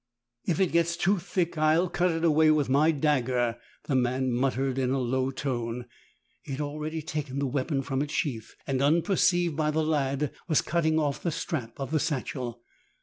"If it gets too thick I'll cut it away with my dagger," the man muttered in a low tone. He had already taken the weapon from its sheath and, unperceived by the lad, was cutting off the strap of the satchel.